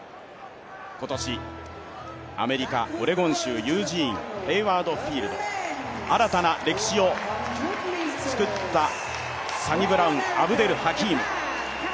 今年アメリカ・オレゴン州ユージーンヘイワード・フィールド、新たな歴史を作ったサニブラウン・アブデルハキーム。